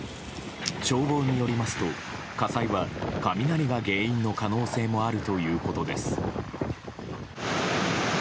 消防によりますと火災は雷が原因の可能性もあるということです。